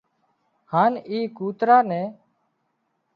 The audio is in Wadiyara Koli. هانَ اي ڪوترا نين